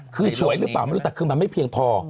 คือฉวยหรือป่ะไม่ได้รู้แต่มันไม่เพียงพอ